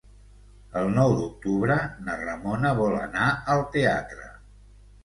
El nou d'octubre na Ramona vol anar al teatre.